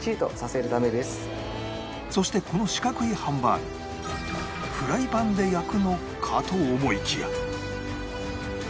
そしてこの四角いハンバーグフライパンで焼くのかと思いきや